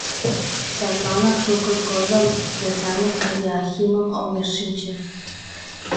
Садлан шукыж годым кресаньык авиахимым огеш шинче.